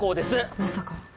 まさか。